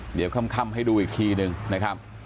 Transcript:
เดี๋ยวค่ำให้ดูอีกทีหนึ่งนะครับ